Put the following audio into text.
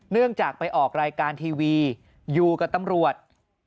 เนื่องจากไปออกรายการทีวีอยู่กับตำรวจ